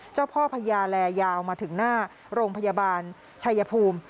เจ้าพ่อพญาแลยาวมาถึงหน้าโรงพยาบาลชัยภูมิ